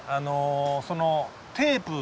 そのテープ。